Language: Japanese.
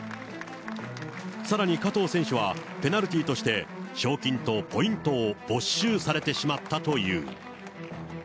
さらに加藤選手は、ペナルティーとして、賞金とポイントを没収されてしまったという。